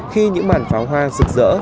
khi những màn pháo hoa rực rỡ